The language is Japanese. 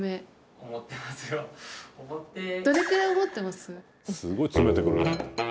すごい詰めてくるね。